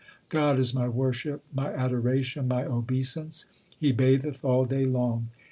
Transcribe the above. God is my worship, my adoration, my obeisance ; He batheth all day long.